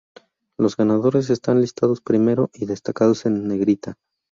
Los ganadores están listados primero y destacados en negrita.